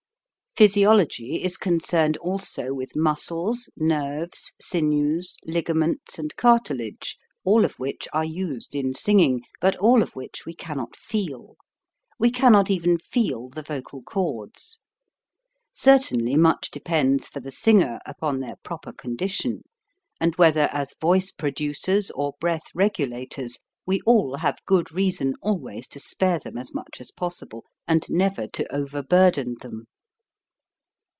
Physiology is concerned also with muscles, nerves, sinews, ligaments, and cartilage, all of which are used in singing, but all of which we cannot feel. We cannot even feel the vocal cords. Certainly much depends for the singer upon their proper condition ; and whether as voice producers or breath regulators, we all have good reason always to spare them as much as possible, and never to overburden them.